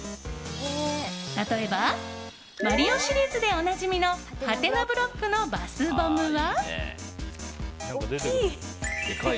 例えば「マリオ」シリーズでおなじみのハテナブロックのバスボムは。